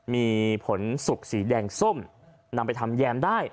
มีผลสุกสีแดงส้มนำไปทำแยมได้